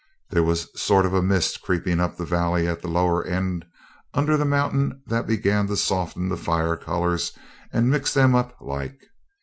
There was a sort of mist creeping up the valley at the lower end under the mountain that began to soften the fire colours, and mix them up like.